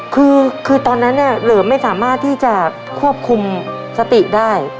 คือคือตอนนั้นเนี่ยเหลิมไม่สามารถที่จะควบคุมสติได้